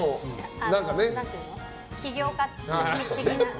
企業家的な。